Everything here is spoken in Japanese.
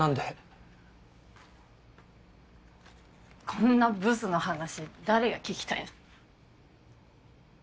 こんなブスの話誰が聞きたいの？